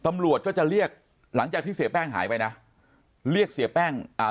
ตำรวจก็จะเรียกหลังจากที่เสียแป้งหายไปนะเรียกเสียแป้งอ่า